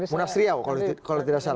munafsriaw kalau tidak salah